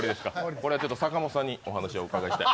これは坂本さんにお話をお伺いしたい。